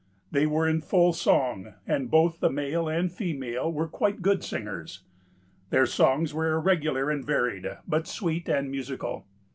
They were in full song, and both the male and female were quite good singers. Their songs were irregular and varied, but sweet and musical.